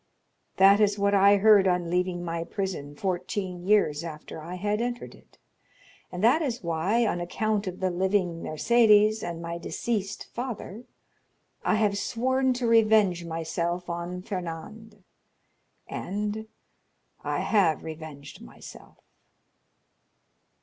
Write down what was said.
"That is what I heard on leaving my prison fourteen years after I had entered it; and that is why, on account of the living Mercédès and my deceased father, I have sworn to revenge myself on Fernand, and—I have revenged myself."